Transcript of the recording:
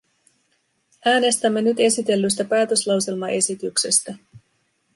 Äänestämme nyt esitellystä päätöslauselmaesityksestä.